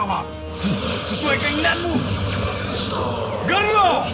yang mulia hartvenger ini